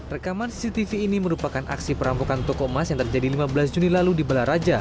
rekaman cctv ini merupakan aksi perampokan toko emas yang terjadi lima belas juni lalu di belaraja